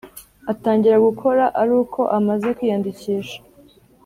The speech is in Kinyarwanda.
Atangira gukora ari uko amaze kwiyandikisha